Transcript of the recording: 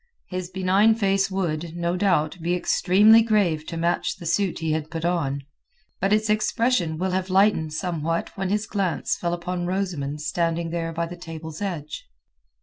His benign face would, no doubt, be extremely grave to match the suit he had put on, but its expression will have lightened somewhat when his glance fell upon Rosamund standing there by the table's edge.